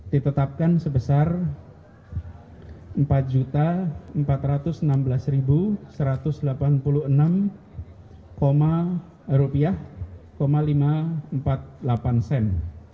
ditetapkan sebesar empat empat ratus enam belas satu ratus delapan puluh enam lima ratus empat puluh delapan sen